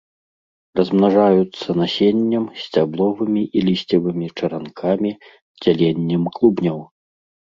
Размнажаюцца насеннем, сцябловымі і лісцевымі чаранкамі, дзяленнем клубняў.